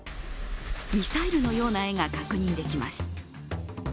ミサイルのような絵が確認できます。